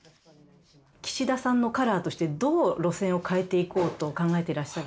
岸田さんのカラーとしてどう路線を変えていこうと考えていらっしゃる？